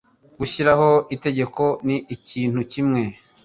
Gushyiraho itegeko ni ikintu kimwe,